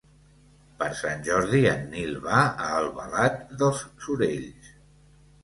Per Sant Jordi en Nil va a Albalat dels Sorells.